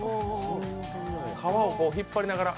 皮を引っ張りながら。